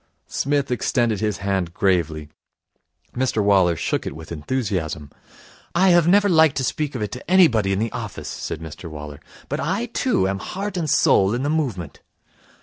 Psmith extended his hand gravely. Mr Waller shook it with enthusiasm. 'I have never liked to speak of it to anybody in the office,' said Mr Waller, 'but I, too, am heart and soul in the movement.'